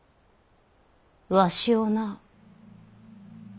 わしをな！